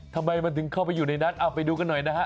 ทำไมมันถึงเข้าไปอยู่ในนั้นเอาไปดูกันหน่อยนะฮะ